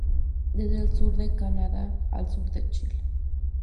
Desde el sur de Canadá al sur de Chile.